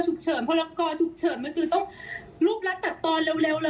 นึกอยู่นาน